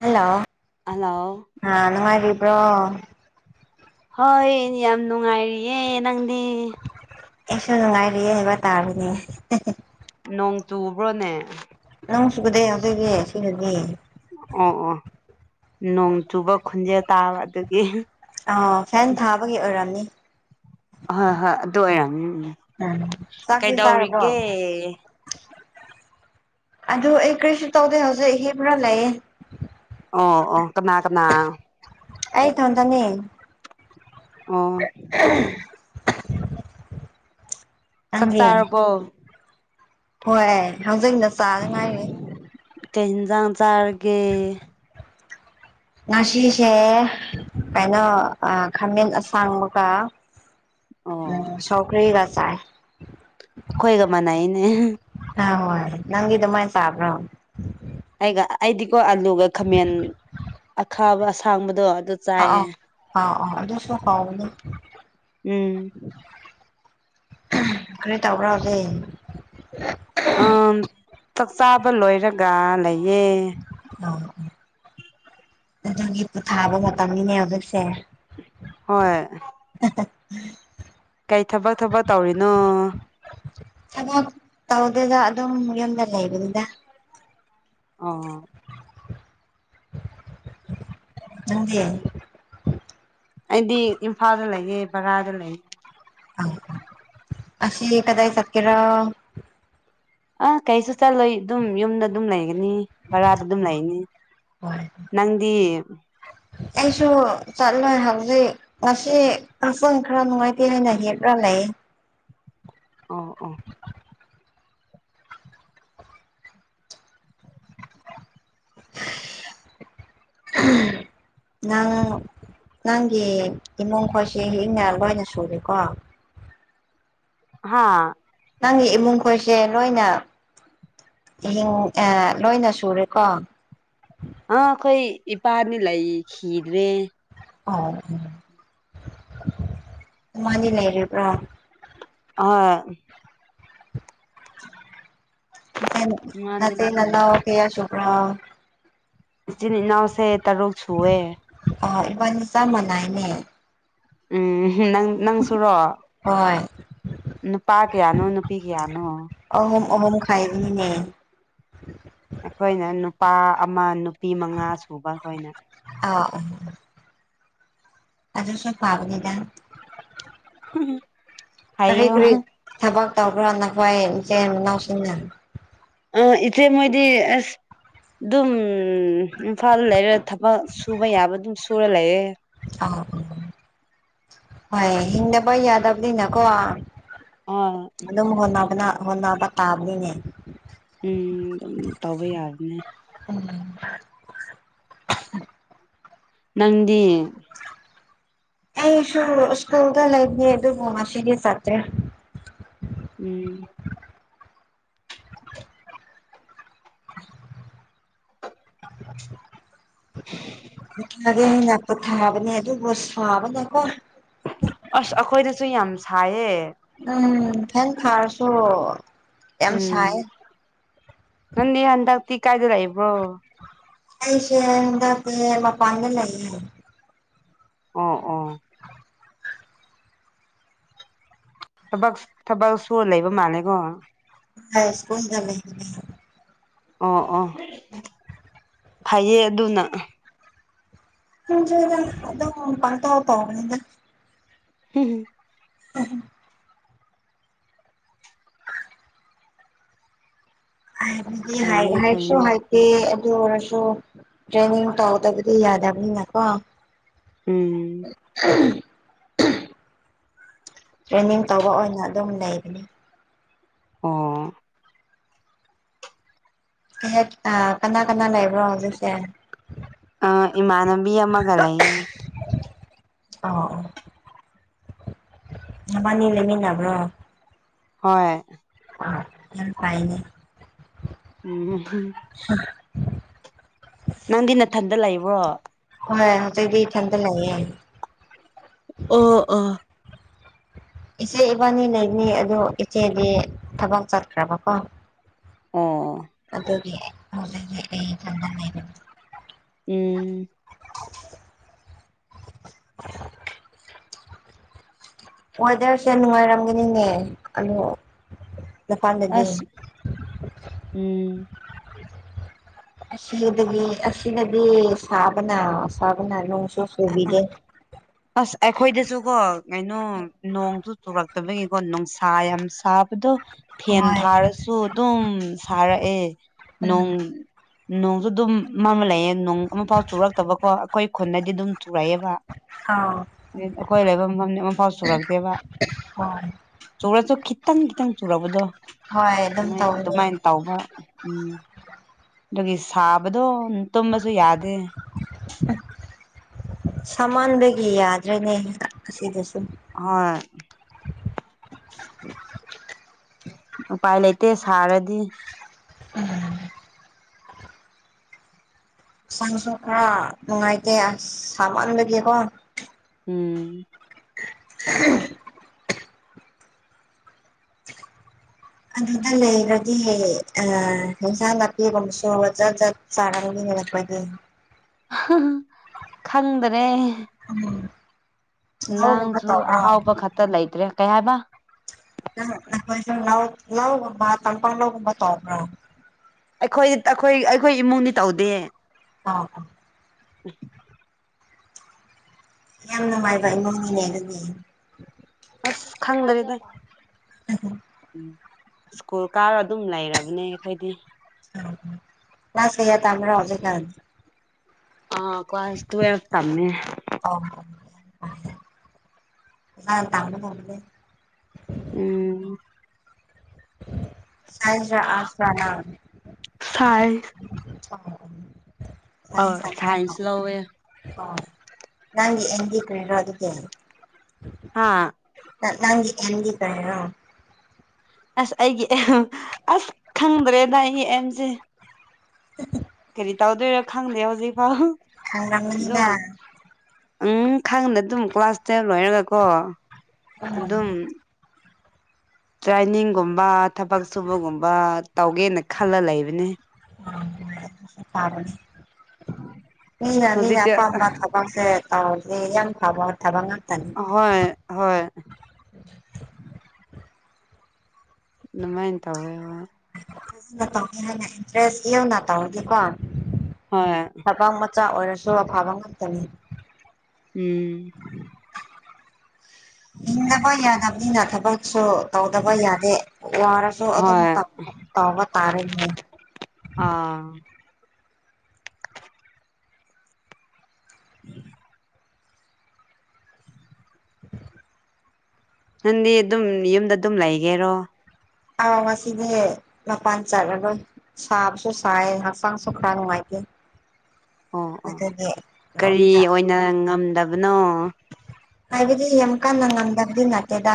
hello hello ꯑ ꯅꯨꯡꯉꯥꯏꯒꯤꯕ꯭ꯔꯣ ꯍꯣꯏ ꯌꯥꯝ ꯅꯨꯡꯉꯥꯏꯔꯤꯌꯦ ꯅꯪꯗꯤ ꯑꯦꯁꯨ ꯅꯨꯡꯉꯥꯏꯔꯤꯌꯦ ꯍꯥꯏꯕ ꯇꯥꯔꯅꯤ ꯅꯣꯡ ꯇꯨꯕ꯭ꯔꯣꯅꯦ ꯅꯪ ꯁꯨꯒꯗꯦ ꯑꯗꯨꯏꯗꯤ ꯁꯤꯅꯗꯤ ꯑꯣ ꯑꯣ ꯅꯣꯡ ꯆꯨꯕ ꯈꯨꯣꯟꯖꯦꯜ ꯇꯥꯕ ꯑꯗꯨꯗꯒꯤ ꯑ ꯐꯦꯟ ꯊꯥꯕꯒꯤ ꯑꯣꯏꯔꯝꯅꯤ ꯍꯣꯏ ꯍꯣꯏ ꯑꯗꯨ ꯑꯣꯏꯔꯝꯃꯤ ꯎꯝ ꯆꯥꯛꯇꯤ ꯀꯩꯗꯧꯔꯤꯒꯦ ꯆꯥꯔꯕꯣ ꯑꯗꯨ ꯑꯩ ꯀꯔꯤꯁꯨ ꯇꯧꯗꯦ ꯍꯧꯖꯤꯛ ꯍꯕ꯭ꯔꯥ ꯂꯩꯌꯦ ꯑꯣ ꯑꯣ ꯀꯅꯥ ꯀꯅꯥ ꯑꯩ ꯊ ꯇꯅꯤ ꯑꯣ ꯆꯥꯛ ꯅꯪꯗꯤ ꯆꯥꯔꯕꯣ ꯍꯣꯏ ꯍꯪꯖꯅꯤꯡꯅ ꯆꯥꯗ ꯉꯥꯏꯔꯦ ꯀꯩ ꯌꯦꯟꯁꯥꯡ ꯆꯥꯔꯒꯦ ꯉꯁꯤꯁꯦ ꯀꯩꯅꯣ ꯈꯥꯃꯦꯟ ꯑꯁꯥꯡꯕꯒ ꯑꯣ ꯎꯝ ꯁꯧꯀꯒꯆꯥꯥꯏ ꯑꯩꯈꯣꯏꯒ ꯃꯥꯟꯅꯩꯅꯦ ꯅꯪꯒꯤ ꯑꯗꯨ ꯃꯥꯏ ꯆꯕ꯭ꯔꯣ ꯑꯩꯒ ꯑꯩꯗꯤꯀꯣ ꯑꯂꯨꯒ ꯈꯥꯃꯦꯟ ꯑꯈꯥꯕ ꯑꯁꯥꯡꯕꯗꯣ ꯑꯥ ꯆꯥꯏꯌꯦ ꯑ ꯑꯥ ꯑ ꯑꯗꯨ ꯐꯥꯎꯅꯦ ꯎꯝ ꯀꯔꯤ ꯇꯧꯕꯈ꯭ꯔꯗꯤꯦ ꯑ ꯆꯥꯛꯆꯥꯥꯕ ꯂꯣꯏꯔꯒ ꯂꯩꯌꯦ ꯑꯥ ꯑꯗꯨꯒꯤ ꯄꯣꯊꯥꯕ ꯃꯇꯝꯅꯤꯅꯦ ꯍꯧꯖꯤꯛꯁꯦ ꯍꯣꯏ ꯀꯩ ꯊꯕꯛ ꯊꯕꯛ ꯇꯧꯔꯤꯅꯣ ꯊꯕꯛ ꯇꯧꯗꯦꯗ ꯑꯗꯨꯝ ꯂꯩ ꯂꯩ ꯏꯗ ꯑꯥ ꯑ ꯑꯩꯗꯤ ꯏꯝꯐꯥꯜꯗ ꯂꯩꯌꯦ ꯕꯔꯥꯗ ꯂꯩꯌꯦꯦ ꯑ ꯑꯁꯤ ꯀꯗꯥ ꯍꯥꯏ ꯆꯠꯀꯔ ꯑ ꯀꯩꯁꯨ ꯆꯂꯣꯏ ꯑꯗꯨꯝ ꯌꯨꯝꯗ ꯑꯗꯨꯝ ꯂꯩꯒꯅꯤ ꯕꯔꯥꯗ ꯑꯗꯨꯝ ꯂꯩꯅꯤ ꯍꯣꯏ ꯅꯪꯗꯤ ꯑꯩꯁꯨ ꯆꯠꯂꯣꯏ ꯍꯧꯖꯤꯛ ꯉꯁꯤ ꯑꯄꯪ ꯈꯔ ꯅꯨꯡꯉꯥꯏꯇꯦ ꯍꯥꯏꯅ ꯍꯦꯛꯂꯅꯤ ꯂꯩ ꯑꯣ ꯑꯣ ꯅꯪ ꯅꯪꯒꯤ ꯏꯃꯨꯡ ꯈꯣꯏꯁꯦ ꯍꯡ ꯃꯜ ꯂ ꯑꯣꯏꯅ ꯁꯨꯔꯦꯀꯣ ꯍꯥꯥ ꯅꯪꯒꯤ ꯏꯃꯨꯡ ꯈꯣꯏꯁꯦ ꯂꯣꯏꯅ ꯍꯤꯡ ꯂꯣꯏꯅ ꯁꯨꯔꯦꯀꯣ ꯑ ꯑꯩꯈꯣꯏ ꯏꯄꯥꯅꯤ ꯂꯩꯈꯤꯗ꯭ꯔꯦ ꯑꯣ ꯃꯥꯗꯤ ꯂꯩꯔꯤꯕ꯭ꯔꯣ ꯍ ꯅ ꯏꯃꯥꯗꯤ ꯂꯩꯌꯦ ꯅꯅ ꯀꯌꯥ ꯆꯣꯄꯔꯥ ꯆꯤꯟ ꯏꯅꯥꯎꯁꯦ ꯇꯔꯨꯛ ꯁꯨꯑꯦ ꯑ ꯏꯕꯥꯅꯤꯆꯥꯥ ꯃꯅꯥꯥꯏꯅꯦ ꯎꯝ ꯅꯪ ꯅꯪꯁꯨꯨꯔꯣ ꯍꯣꯏ ꯅꯨꯄꯥ ꯀꯌꯥꯅꯣ ꯅꯨꯄꯤ ꯀꯌꯥꯅꯣ ꯑꯣꯃꯝ ꯈꯥꯏꯔꯤꯅꯦ ꯑꯩꯈꯣꯏꯅ ꯅꯨꯄꯥ ꯑꯃ ꯅꯨꯄꯤ ꯃꯉꯥ ꯁꯨꯕ ꯑꯩꯈꯣꯏꯅ [unintelligible] ꯑꯗꯨꯁꯨ ꯇꯥꯕꯅꯤꯗ [unintelligible] ꯀꯔꯤ ꯀꯔꯤ ꯊꯕꯛ ꯇꯧꯕ꯭ꯔꯥ ꯅꯈꯣꯏ ꯏꯆꯦꯟ ꯏꯅꯥꯎꯁꯤꯡꯅ ꯑ ꯏꯆꯦ ꯃꫭꯏꯗꯤ ꯑꯁ ꯑꯗꯨꯝ ꯏꯝꯐꯥꯜ ꯂꯩꯔ ꯊꯕꯛ ꯁꯨꯕ ꯌꯥꯕ ꯑꯗꯨꯝ ꯁꯨꯔ ꯂꯩꯌꯦ [unintelligible] ꯍꯤꯡꯗꯕ ꯌꯥꯗꯕꯅꯤꯅꯀꯣ ꯑ ꯍꫭꯅ ꯍꫭꯠꯅꯕ ꯇꯥꯕꯅꯤꯅꯦ ꯎꯝ ꯑꯗꯨꯝ ꯇꯧꯕ ꯌꯥꯕꯅꯦ [unintelligible] ꯅꯪꯗꯤ ꯑꯩꯁꯨ ꯏꯁ꯭ꯀꯨꯜ ꯗ ꯂꯩꯕꯅꯤ ꯑꯗꯨꯕꯨ ꯉꯁꯤꯗꯤ ꯁꯆꯠꯇ꯭ꯔꯦ ꯎꯝ [unintelligible] ꯄꯊꯗꯦ ꯍꯥꯏꯅ ꯄꯣꯊꯥꯕꯅꯦ ꯑꯗꯨꯕꯨ ꯁꯥꯕꯅꯦꯀꯣ ꯊꯥꯏꯌꯦ ꯎꯝ ꯊꯪ ꯊꯥꯔꯁꯨ ꯌꯥꯝ ꯎꯝ ꯁꯥꯏ ꯅ ꯍꯟꯗꯇ ꯀꯥꯏꯗ ꯏꯕ꯭ꯔꯣ ꯑꯩꯁꯦ ꯍꯟꯗꯛꯇꯤ ꯃꯄꯥꯟꯗꯂꯩꯌꯦ ꯑꯣ ꯑꯣ ꯊꯕꯛ ꯊꯕꯛ ꯁꯨꯔ ꯂꯩꯕ ꯃꯥꯜꯂꯦꯀꯣ [unintelligible] ꯑꯣ ꯑꯣ ꯐꯩꯌꯦ ꯑꯗꯨꯅ [unintelligible] ꯍꯝ [unintelligible] ꯐꯩꯌꯦ ꯐꯩꯌꯦ [unintelligible] ꯑꯗꯨ ꯑꯣꯏꯔꯁꯨ ꯇ꯭ꯔꯦꯅꯤꯡ ꯇꯧꯗꯕꯗꯤ ꯌꯥꯗꯕꯅꯤꯅꯀꯣ ꯎꯝ [unintelligible] ꯇ꯭ꯔꯦꯟꯅꯤꯡ ꯇꯧꯕ ꯑꯣꯏꯅ ꯑꯗꯨꯝ ꯂꯩꯕꯅꯤ ꯑꯣ [unintelligible] ꯀꯅꯥ ꯀꯅꯥ ꯂꯩꯕ꯭ꯔꯣ ꯍꯧꯖꯤꯛꯁꯦ ꯑ ꯏꯃꯥꯟꯅꯕꯤ ꯑꯃꯒ ꯂꯩꯌꯦ ꯑꯥꯑꫭ ꯅꯕꯅꯤ ꯂꯩꯃꯤꯟꯅꯕ꯭ꯔꯣ ꯍꯣꯏ ꯑ ꯌꯥꯝ ꯐꯥꯏꯅꯦ ꯎꯝ ꯅꯪꯗꯤ [unintelligible] ꯍꯣꯏ ꯍꯧꯖꯤꯛꯗꯤ ꯏꯊꯟꯗ ꯂꯩꯌꯦ ꯑꯣ ꯑꯣ ꯏꯆꯦ ꯏꯕꯥꯅꯤ ꯂꯩꯅꯤ ꯑꯗꯨ ꯏꯆꯦꯗꯤ ꯊꯕꯛ ꯆꯠꯈ꯭ꯔꯕꯀꯣ ꯑꯣ [unintelligible] ꯎꯝ ꯋꯦꯗꫪꯁꯦ ꯅꯨꯡꯉꯥꯏꯔꯝꯒꯅꯤꯅꯦ [unintelligible] ꯑꯁ ꯎꯝ ꯑꯁꯤꯗꯒꯤ ꯑꯁꯤꯗꯗꯤ ꯁꯥꯕꯅ ꯁꯥꯕꯅ ꯅꫭꯡꯁꯨ ꯁꯨ ꯆꯨꯕꯤꯗꯦ ꯑꯁ ꯑꯩꯈꯣꯏꯗꯁꯨꯀꯣ ꯀꯩꯅꯣ ꯅꯣꯡꯗꯨ ꯆꯨꯔꯛꯇꯕꯒꯤꯀꯣ ꯅꯨꯡꯁꯥ ꯌꯥꯝ ꯁꯥꯕꯗꯣ ꯐꯦꯟ ꯍꯣꯏ ꯊꯥꯔꯁꯨ ꯑꯗꯨꯝ ꯁꯥꯔꯛꯑꯦ ꯅꯣꯡ ꯎꯝ ꯅꯣꯡꯁꯨ ꯑꯗꯨꯝ ꯃꯝ ꯂꯩꯑꯦ ꯅꯣꯡ ꯑꯃꯐꯥꯎ ꯆꯨꯔꯛꯇꯕꯀꯣ ꯑꯩꯈꯣꯏ ꯈꯨꯟꯗꯗꯤ ꯑꯗꯨꯝ ꯁꯨꯔꯛꯑꯦꯕ ꯑꯥꯎ ꯑꯩꯈꯣꯏ ꯂꯩꯕ ꯃꯐꯝ ꯃꯐꯥꯎ ꯁꯨꯔꯛꯇꯦꯕ ꯍꯣꯏ ꯆꯨꯔꯥꯁꯨ ꯈꯤꯇꯪ ꯈꯤꯇꯪ ꯆꯧꯨꯔꯥꯔꯕꯗꯣ ꯍꯣꯏ ꯑꯗꯨꯝ ꯍꯣꯏ ꯇꯧꯅꯤ ꯑꯗꯨꯃꯥꯏꯅ ꯇꯧꯕ ꯎꯝ ꯑꯗꯨꯒꯤ ꯁꯥꯕꯗꯣ ꯇꯨꯝꯃꯁꯨ ꯌꯥꯗꯦ ꯁꯃꯥꯟꯒꯤ ꯌꯥꯗ꯭ꯔꯦꯅꯦ ꯑꯁꯤꯗꯁꯨ ꯍꯣꯏ ꯎꯄꯥꯏ ꯂꯩꯇꯦ ꯁꯥꯔꯗꯤ ꯎꯝ ꯥꯡꯁꯨ ꯈꯔ ꯅꯨꯡꯉꯥꯏꯇꯦ ꯑꯁ ꯁꯃꯟ ꯂꯩꯒꯦꯀꯣ ꯎꯝ [unintelligible] [inaudible] ꯑꯗꯨꯗ ꯂꯩꯔꯗꯤ ꯍꯟꯁꯥꯡ ꯅꯥꯄꯤꯒꯨꯝ ꯁꯒ ꯆꯠ ꯆꯠ ꯆꯥꯅꯒꯤ ꯍꯔꯛꯄ ꯑꯗ ꯈꯪꯗꯔꯦ ꯎꯝ ꯂꯧꯒꯨꯝꯕ ꯅꯟꯥꯡꯁꯨ ꯇꯧꯕ꯭ꯔꯣ ꯑꯍꯥꯎꯕ ꯈꯛꯇ ꯂꯩꯇ꯭ꯔꯦ ꯀꯩ ꯍꯥꯏꯕ ꯂꯧ ꯃꯥꯄ ꯂꯕ ꯇ ꯑꯩꯈꯣꯏ ꯑꯩꯈꯣꯏ ꯑꯩꯈꯣꯏ ꯏꯃꯨꯡꯗꯤ ꯇꯧꯗꯦ ꯑꯥ ꯑꯥ ꯎ ꯌꯥꯝ ꯅꯨꯡꯉꯥꯏꯕ ꯏꯃꯨꯡꯅꯤꯅꯦ ꯑꯗꯨꯅꯤ ꯑꯁ ꯈꯪꯗꯔꯤꯦꯗ ꯁ꯭ꯀꯨꯜ ꯀꯥꯔ ꯑꯗꯨꯝ ꯂꯩꯔꯕꯅꯦ ꯑꯩꯈꯣꯏꯗꯤ ꯁꯤ ꯌꯥ ꯇꯔ ꯍꯧꯖꯤ ꯀꯥ ꯑ ꯀ꯭ꯂꯥꯁꯥꯁ ꯇ꯭ꯋꯦꯜꯐ ꯇꯝꯃꯦ ꯑ ꯇꯥꯡꯦ ꯎꯝ ꯖ ꯑꯁꯥ ꯁꯥꯏ ꯍ ꯀ ꯁꯥꯏꯟꯁ ꯂꯧꯋꯦ ꯍ ꯅꯪ ꯑꯦꯡꯦ ꯀ ꯑꯗꯨ ꯀꯜꯂꯤ ꯍꯥꯥ ꯅꯪ ꯑꯦꯗꯤ ꯀꯔꯔꯣ ꯑꯁ ꯑꯩꯒꯤ ꯑꯦꯝ ꯑꯁ ꯈꯪꯗ꯭ꯔꯦꯗ ꯑꯩꯒꯤ ꯑꯦꯝꯁꯦ [inaudible] [unintelligible] ꯍꯧ ꯇꯧꯗꯣꯏꯔꯥ ꯈꯪꯗꯦ ꯍꯧꯖꯤꯛꯐꯥꯎ ꯍꯔꯝꯗ ꯎꯪ ꯈꯥꯡꯗ ꯑꯗꯨꯝ ꯀ꯭ꯂꯥꯁ ꯇꯦꯟ ꯂꯣꯏꯔꯒꯀꯣ ꯎꯝ ꯑꯗꯨꯝ ꯇ꯭ꯔꯦꯅꯤꯡꯒꯨꯝꯕ ꯊꯕꯛ ꯁꯨꯕꯒꯨꯝꯕ ꯇꯧꯒꯦꯅ ꯈꯜꯂ ꯂꯩꯕꯅꯤ ꯃꯤꯅ ꯃꯤꯅ ꯍꯧꯖꯤꯛꯇꯤ ꯑꯄꯥꯝꯕ ꯊꯕꯛꯁꯦ ꯇꯥꯎꯗꯔꯤ ꯌꯥꯝ ꯐꯕ ꯊꯥꯕꯉ ꯍꯣꯏ ꯍꯣꯏ [unintelligible] [inaudible] ꯅꯅꯨꯡꯃꯥꯏꯅ ꯇ ꯑꯣꯏ ꯍ ꯏꯟꯔꯦꯁ ꯌꯦꯧ ꯅ ꯇꯧ ꯍꯧꯗꯤꯀꯣ ꯍ ꯆ ꯑꯣꯏꯔ ꯁꯂ ꯐꯕ ꯉꯥꯛꯇꯥꯅꯤ ꯎꯝ ꯍꯕ ꯌꯥꯅ ꯑ ꯁꯨ ꯇꯧꯗꯕ ꯌꯥꯗꯦ ꯋꯥꯔꯁꯨ ꯑꯗꯨꯝ ꯍꯣꯏ ꯇꯧꯕ ꯇꯥꯔꯅꯦ ꯑꯥ ꯎꯝ ꯅꯪꯗꯤ ꯑꯗꯨꯝ ꯌꯨꯝꯗ ꯑꯗꯨꯝ ꯂꯩꯒꯦꯔꯣ ꯑ ꯉꯁꯤꯗꯤ ꯃꯄꯥꯟ ꯆꯠꯂꯒ ꯁꯥꯕꯁꯨ ꯁꯥꯏ ꯍꯛꯆꯥꯡꯁꯨ ꯈꯔ ꯅꯨꯡꯉꯥꯏꯇ [unintelligible] ꯑꯣ ꯑꯣ ꯀꯔꯤ ꯌꯨꯝꯗ ꯑꯣꯏꯅ ꯉꯝꯗꯕꯅꯣ ꯍꯥꯏꯕꯗꯤ ꯌꯥꯝ ꯀꯟꯅ ꯉꯝꯗꯕꯗꯤ ꯅꯠꯇꯦꯗ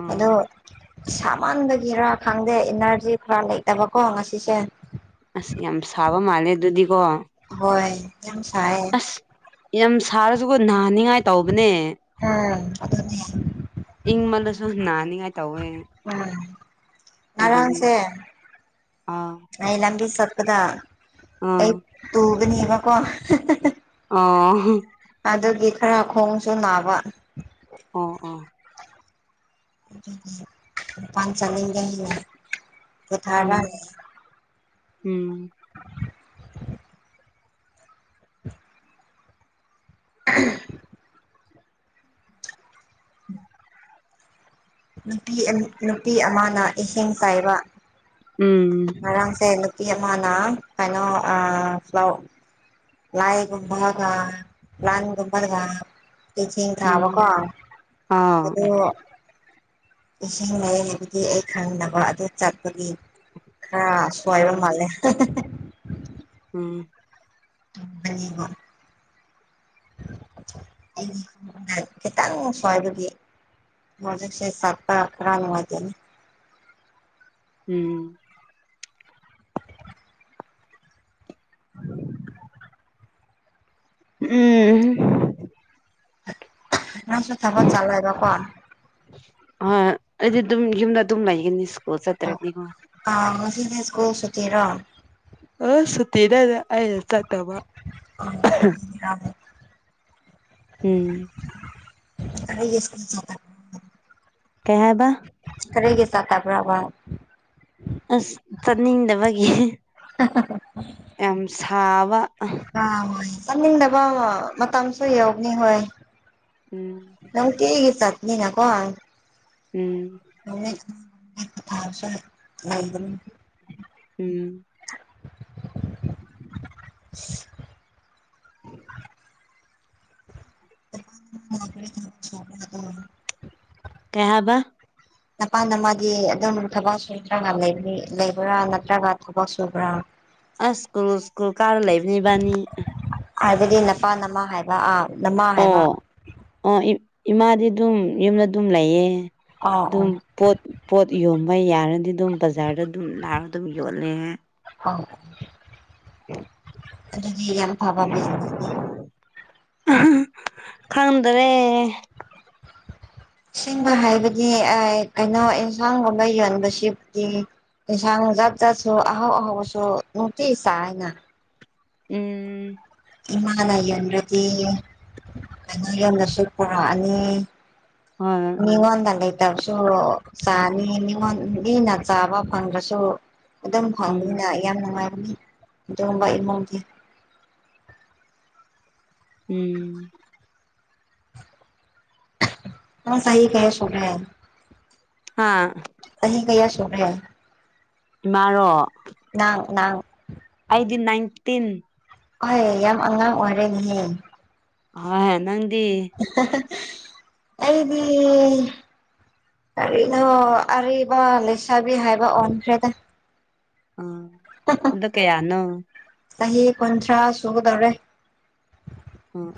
ꯎꯝ ꯑꯗꯣ ꯁꯥꯃꯟꯒꯤꯔ ꯈꯪꯗꯦ ꯏꯅꯔꯖꯤ ꯈꯔ ꯂꯩꯇꯕꯀꯣ ꯉꯁꯤꯁꯦ ꯑꯁ ꯌꯥꯝ ꯁꯥꯕ ꯃꯥꯜꯂꯦ ꯑꯗꯨꯗꯤꯀꯣ ꯌꯥꯝꯁꯑꯌꯦ ꯑꯁ ꯌꯥꯝ ꯁꯥꯔꯁꯨꯀꯣ ꯅꯥꯍꯟꯅꯤꯡꯉꯥꯏ ꯇꯧꯕꯅꯦ [unintelligible] ꯏꯪ ꯃꯜꯁꯨ ꯅ ꯎꯝ ꯑꯗꯨꯒꯤ ꯑꯔꯝꯁꯦ ꯑꯥ ꯑꯩ ꯂꯝꯕꯤ ꯁ ꯆꯗꯥ ꯑꯩ ꯑꯥ ꯇꯨꯒꯅꯤ ꯋꯥ ꯀꯣ ꯑꯥ ꯑꯗꯨꯒꯤ ꯈꯔ ꯈꯣꯡꯁꯨ ꯅꯥꯕ ꯑꯣ ꯑ [unintelligible] ꯎꯝ [unintelligible] ꯎꯝ [unintelligible] ꯎ ꯅꯨꯄꯤ ꯑꯃꯅ ꯏꯍꯤꯡ ꯀꯥꯏꯕ ꯎꯝ ꯏꯃꯅꯥ ꯀꯩꯅꯣ ꯑ ꯐ ꯂꯥꯏꯒꯨꯝꯃꯔꯒ ꯂꯅꯤꯒꯨꯝꯃꯔꯒ ꯆꯩ ꯆꯦꯡ ꯎꯝ ꯊꯥꯕꯀꯣ ꯑꯥ ꯑꯗꯨ ꯏꯁꯤꯡ ꯂꯩꯏꯌꯦ ꯍꯥꯏꯕꯗꯤ ꯑꯩ ꯈꯪꯅꯕ ꯑꯗꯨ ꯆꯠꯄꯒꯤ ꯑ ꯁꯋꯥꯏꯕ ꯎꯝ ꯃꯥꯜꯦ ꯎꯝ [unintelligible] ꯈꯤꯇꯪ ꯁꯋꯥꯗꯨꯒꯤ ꯍꯧꯖꯤꯛꯁꯤ ꯁꯥꯠꯄ [unintelligible] ꯎꯝ ꯎꯝ ꯅꯪꯁꯨ ꯊꯕꯛ ꯆꯠꯂꯣꯏꯕꯀꯣ ꯑ ꯑ ꯑꯩꯗꯤ ꯌꯨꯝꯗ ꯇꯝ ꯂꯩꯥꯛ ꯅꯤ ꯁ꯭ꯀꯨꯜ ꯆꯠꯇ꯭ꯔꯅꯤꯉꯣ ꯁꯀꯨꯜ ꯁꯨꯇꯤꯔꯣ ꯑ ꯁꯇꯔꯗ ꯑ ꯆ ꯇꯕ ꯎꯝ [unintelligible] ꯀꯩ ꯍꯥꯏꯕ ꯈꯔꯔꯤꯒꯤ ꯁꯥꯇꯕꯔꯥꯕ ꯑꯁ ꯇꯅꯤꯡꯗꯕꯒꯤꯦ ꯎꯝ ꯍ ꯌꯥꯝꯁꯕ ꯑ ꯍ ꯆꯠꯅꯤꯡꯗꯕ ꯃꯇꯝꯁꯨ ꯌꯧꯅꯤ ꯍꯣꯏ ꯎꯝ ꯅꯪ ꯀꯦꯒꯤ ꯆꯠꯅꯤꯅ ꯀꯣꯟ ꯎꯝ [unintelligible] ꯎꯝ [unintelligible] ꯍ [inaudible] [unintelligible] ꯀꯩ ꯍꯥꯢꯕꯥ ꯅꯄꯥꯗ ꯅꯃꯥꯗꯤ ꯑꯗꯣꯝ ꯊꯕꯛ ꯁꯨꯗ꯭ꯔꯒ ꯂꯩꯕ꯭ꯔꯥ ꯅꯠꯇ꯭ꯔꯒ ꯊꯕꯛ ꯁꯨꯕ꯭ꯔꯥ ꯑꯁ ꯀꯣ [inaudible] ꯑꯁ ꯀꯣ ꯀꯥꯗ ꯂꯩꯕꯅꯦ ꯏꯕꯥꯟꯅꯤ ꯍꯥꯏꯕꯗꯤ ꯅꯄꯥ ꯅꯃꯥ ꯍꯥꯏꯕ ꯑꯥ ꯅꯃꯥ ꯍꯥꯏꯕ ꯑꯣ ꯑ ꯏ [inaudible] ꯏꯃꯥꯗꯤ ꯑꯗꯨꯝ ꯌꯨꯝꯗ ꯑꯗꯨꯝ ꯂꯩꯌꯦ ꯑꯥ ꯑꯣ ꯑꯗꯨꯝ ꯄꯣꯠ ꯄꯣꯠ ꯌꯣ ꯃꯩ ꯌꯥꯔꯗꯤ ꯑꯗꯨꯝ ꯕꯖꯥꯔꯗ ꯑꯗꯨꯝ ꯂꯥꯛꯑꯥ ꯑꯗꯨꯝ ꯌꯣꯜꯂꯦ ꯍꯥꯎ ꯎ [inaudible] ꯑꯗꯨꯗꯤ ꯌꯥꯝ ꯐꯕꯕꯥ ꯕꯨꯁꯤꯅꯤꯁ ꯈꯪꯗꯔꯦ ꯑꯁꯦꯡꯕꯥ ꯍꯥꯏꯕꯗꯤ ꯀꯩꯅꯣ ꯑꯦꯟꯁꯥꯡꯒꯨꯝꯕ ꯌꯣꯟꯕꯁꯤꯗꯤ ꯌꯦꯟꯁꯥꯡ ꯖꯥꯠ ꯖꯥꯠꯁꯨ ꯑꯍꯧꯕ ꯑꯍꯧꯕꯁꯨ ꯅꯨꯡꯇꯤꯒꯤ ꯆꯥꯏꯅ ꯎꯝ ꯏꯃꯥꯅ ꯌꯟꯗ꯭ꯔꯗꯤ ꯂꯅꯥ ꯌꯣꯟꯗꯁꯨ ꯄꯨꯔꯛꯑꯅꯤ [inaudible] ꯍꯣꯏ ꯃꯤꯉꯣꯟꯗ ꯂꯩꯇꯕꯁꯨ ꯆꯥꯅꯤ ꯃꯦꯑꯣꯡ ꯃꯤꯅ ꯆꯥꯕ ꯐꯪꯗꯔꯥꯕꯁꯨ ꯑꯗꯨꯝ ꯐꯪꯕꯅꯤꯅ ꯎꯝ ꯌꯥꯝ ꯅꯨꯡꯉꯥꯏꯕꯅꯤ ꯑꯗꯨꯀꯨꯝꯕ ꯏꯃꯨꯡꯗꯤ ꯎꯝ ꯑ ꯁꯍꯤ ꯀꯌꯥ ꯁꯂꯦ [inaudible] ꯍꯥꯥ ꯆꯍꯤ ꯒꯌꯥ ꯁꯣꯔꯦ ꯏꯃꯥꯔꯣ ꯑꯩꯗꯤ ꯅꯥꯏꯟꯇꯤꯟ ꯍꯣꯏ ꯌꯥꯝ ꯑꯉꯥꯡ ꯑꯣꯏꯔꯅꯤꯍꯦ ꯍꯣꯢ ꯑꯩꯗꯤ ꯀꯔꯤꯅꯣ ꯑꯔꯤꯕ ꯂꯩꯁꯥꯕꯤ ꯍꯥꯏꯕ ꯑꯣꯟꯈ꯭ꯔꯦꯗ ꯑ ꯑꯣ ꯑꯗꯨ ꯀꯌꯥꯅꯣ ꯆꯍꯤ ꯀꯨꯟꯊ꯭ꯔꯥ ꯁꯨꯒꯗꯧꯔꯦ ꯎꯝ